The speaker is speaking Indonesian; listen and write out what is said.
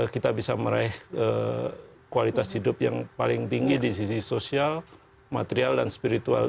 kita bisa meraih kualitas hidup yang paling tinggi di sisi sosial material dan spiritual